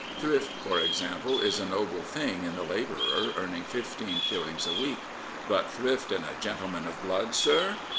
Thrift, for example, is a noble thing in the labourer earning fifteen shillings a week; but thrift in a gentle man of blood, sir?